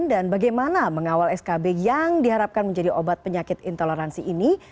dan bagaimana mengawal skb yang diharapkan menjadi obat penyakit intoleransi ini